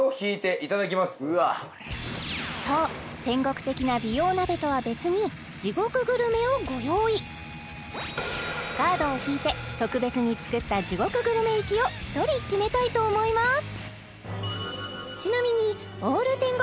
うわっそう天国的な美容鍋とは別に地獄グルメをご用意カードを引いて特別に作った地獄グルメ行きを１人決めたいと思います